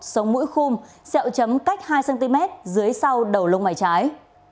sống mũi khung xẹo chấm cách hai cm dưới sau đầu lông mày trái